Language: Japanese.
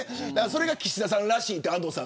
それが岸田さんらしいと。